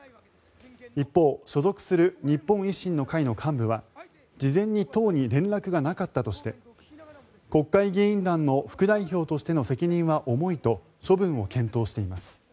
一方、所属する日本維新の会の幹部は事前に党に連絡がなかったとして国会議員団の副代表としての責任は重いと処分を検討しています。